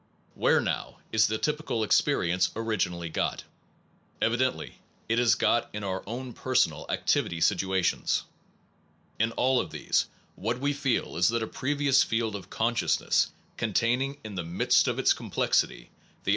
Where now is the typical experience originally got? Evidently it is got in our own personal activ ity situations. In all of these what we feel is that a previous field of consciousness con taining (in the midst of its complexity) the